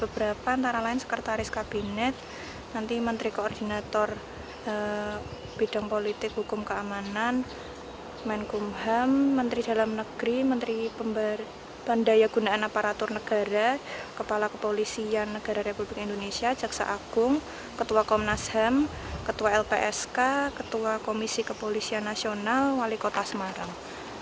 beberapa antara lain sekretaris kabinet nanti menteri koordinator bidang politik hukum keamanan menkumham menteri dalam negeri menteri pemberdaya gunaan aparatur negara kepala kepolisian negara republik indonesia jaksa agung ketua komnas ham ketua lpsk ketua komisi kepolisian nasional wali kota semarang